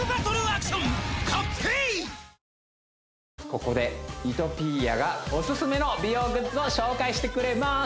ここでいとピーヤがオススメの美容グッズを紹介してくれます